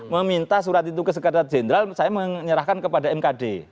meminta surat itu ke sekretariat jenderal saya menyerahkan kepada mkd